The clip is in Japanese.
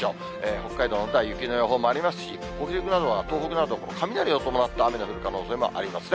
北海道には雪の予報もありますし、北陸など、東北なども雷を伴った雨の降る可能性もありますね。